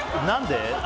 何で？